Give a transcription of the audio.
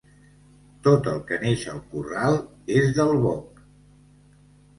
Tot el que neix al corral és del boc.